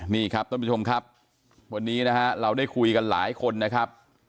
นี่ครับท่านผู้ชมครับวันนี้นะฮะเราได้คุยกันหลายคนนะครับ